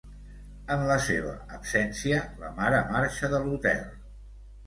En la seva absència, la mare marxa de l'hotel.